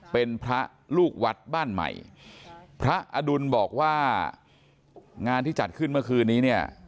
เป็นพระลูกวัดบ้านใหม่พระอดุลบอกว่างานที่จัดขึ้นเมื่อคืนนี้เนี่ย